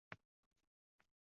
— Uyoqda ham hech zog‘ yo‘q.